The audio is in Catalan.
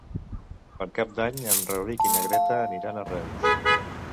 Per Cap d'Any en Rauric i na Greta aniran a Reus.